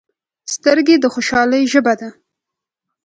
سترګې د خوشحالۍ ژبه ده